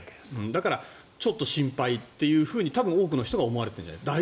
だからちょっと心配っていうふうに多分多くの人が思われてるんじゃないかな。